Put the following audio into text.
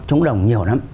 chống đồng nhiều lắm